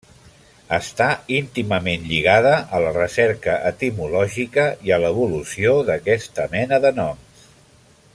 Està íntimament lligada a la recerca etimològica i a l'evolució d'aquesta mena de noms.